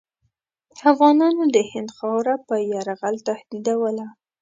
افغانانو د هند خاوره په یرغل تهدیدوله.